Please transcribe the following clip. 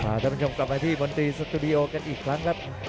ท่านผู้ชมกลับมาที่มนตรีสตูดิโอกันอีกครั้งครับ